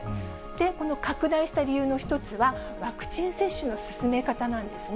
この拡大した理由の一つは、ワクチン接種の進め方なんですね。